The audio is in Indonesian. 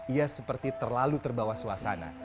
ia seperti terlalu terbawa suasana